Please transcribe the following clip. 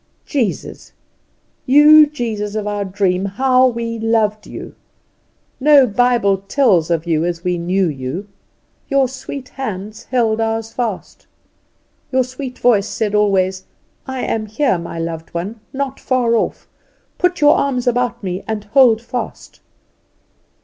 Jesus! you Jesus of our dream! how we loved you; no Bible tells of you as we knew you. Your sweet hands held ours fast; your sweet voice said always, "I am here, my loved one, not far off; put your arms about me, and hold fast."